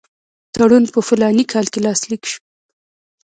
تړون په فلاني کال کې لاسلیک شو.